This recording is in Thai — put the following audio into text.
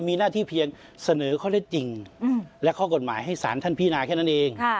มีหน้าที่เพียงเสนอข้อได้จริงและข้อกฎหมายให้สารท่านพินาแค่นั้นเอง